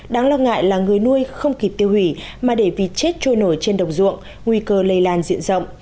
đáng lo ngại là người nuôi không kịp tiêu hủy mà để vịt chết trôi nổi trên đồng ruộng nguy cơ lây lan diện rộng